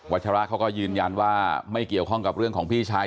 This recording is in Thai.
ชราเขาก็ยืนยันว่าไม่เกี่ยวข้องกับเรื่องของพี่ชาย